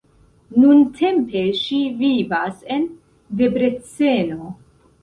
Nuntempe ŝi vivas en Debreceno.